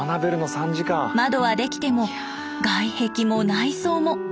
窓はできても外壁も内装も。